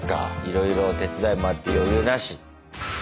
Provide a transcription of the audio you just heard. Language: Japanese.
いろいろ手伝いもあって余裕なし。